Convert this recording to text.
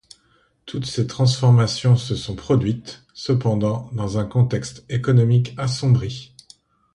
Toutes ces transformations se sont produites, cependant, dans un contexte économique assombri.